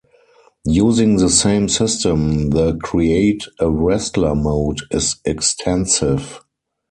Using the same system, the Create-a-Wrestler mode is extensive.